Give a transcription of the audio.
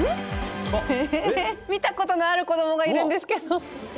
見たことのある子どもがいるんですけど！